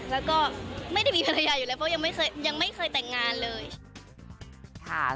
แล้วก็ไม่ได้มีภรรยาเลยเพราะยังไม่เคยแต่งงานเลย